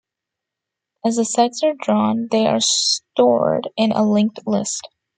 As the segs are drawn, they are stored in a linked list.